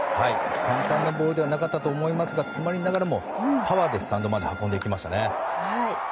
簡単なボールではなかったと思いますが詰まりながらもパワーでスタンドまで運んでいきました。